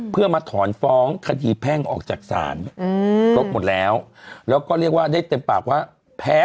เขาของเงินทั้งหมด๓๐ล้านบาทตอนนั้น